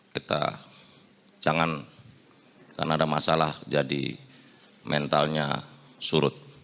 kita jangan karena ada masalah jadi mentalnya surut